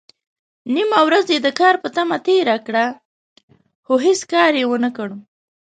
نيمه ورځ يې د کار په تمه تېره کړه، خو هيڅ کار يې ونکړ.